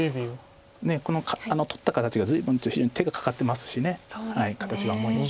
この取った形が随分と非常に手がかかってますし形が重いんです。